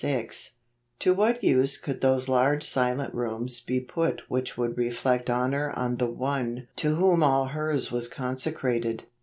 83 26. To what use could those large silent rooms be put which would reflect honor on the One to whom all hers was consecrated